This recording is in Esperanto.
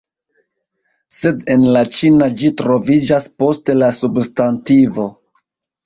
Sed en la ĉina ĝi troviĝas post la substantivo